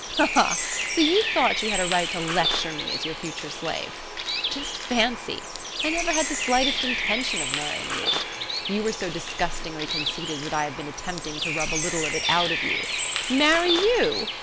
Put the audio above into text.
Ha ha ha! So you thought you had a right to lecture me as your future slave! Just fancy! I never had the slightest intention of marrying you. You were so disgustingly conceited that I have been attempting to rub a little of it out of you. Marry you!